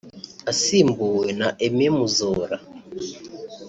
asimbuwe na Aime Muzora